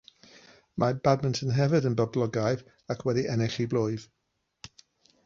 Mae badminton hefyd yn boblogaidd ac wedi ennill ei blwyf.